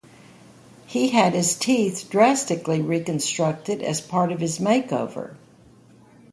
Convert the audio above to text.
He had his teeth drastically reconstructed as part of his makeover.